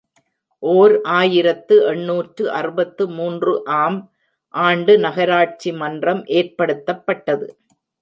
ஓர் ஆயிரத்து எண்ணூற்று அறுபத்து மூன்று ஆம் ஆண்டு நகராட்சி மன்றம் ஏற்படுத்தப்பட்டது.